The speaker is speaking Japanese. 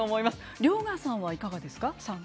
遼河さんはいかがですか？